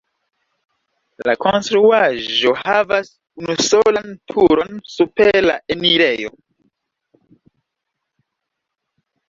La konstruaĵo havas unusolan turon super la enirejo.